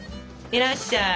いらっしゃい！